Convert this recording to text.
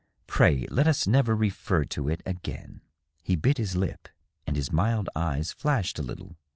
Pray let us never refer to it again." He bit his lip, and his mild eyes flashed a little.